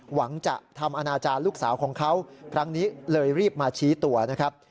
หวังจะทำอนาจารย์ลูกสาวของเขาครั้งนี้เลยรีบมาชี้ตัวนะครับ